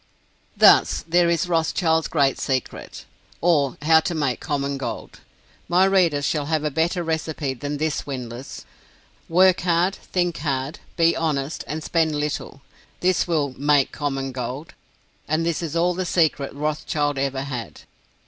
Thus, there is "Rothschild's great secret; or how to make common gold." My readers shall have a better recipe than this swindler's work hard, think hard, be honest, and spend little this will "make common gold," and this is all the secret Rothschild ever had.